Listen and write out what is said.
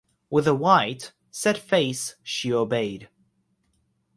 With a white, set face she obeyed.